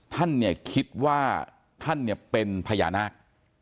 ท่านเนี่ยคิดว่าท่านเนี่ยเป็นพญานาค